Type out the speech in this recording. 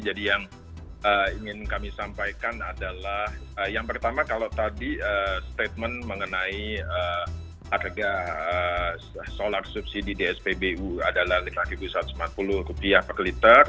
jadi yang ingin kami sampaikan adalah yang pertama kalau tadi statement mengenai harga solar subsidi dspbu adalah rp lima satu ratus lima puluh per liter